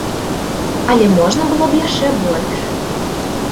Але можна было б яшчэ больш.